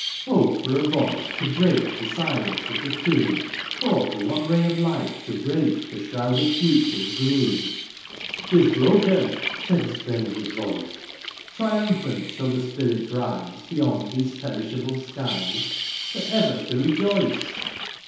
Oh for a voice "To break the silence of the tomb !" Or for one ray of light to break ^^The shrouded fiiture^s gloom ?'" ^Tis broken \" said a stranger's voice, "Triumphant shall the spirit rise " Beyond these perishable skies, ^^ For ever to rejoice